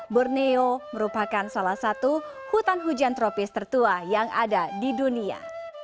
borneo merupakan salah satu hutan hujan tropis tertua yang ada di dunia